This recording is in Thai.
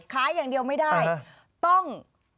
ขายอย่างเดียวไม่ได้ต้อง